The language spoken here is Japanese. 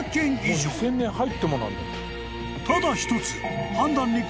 ［ただ一つ］